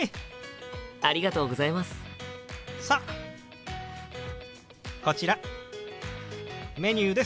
さあこちらメニューです。